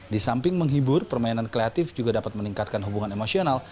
disamping menghibur permainan kreatif juga dapat meningkatkan hubungan emosional